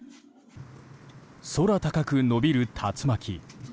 空高く延びる竜巻。